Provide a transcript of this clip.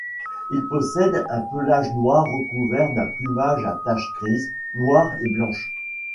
Il possède un pelage noir recouvert d'un plumage à taches grises, noires et blanches.